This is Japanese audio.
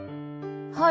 はい。